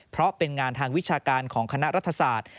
เพราะเป็นงานทางวิชาการของคณะรัฐศาสตร์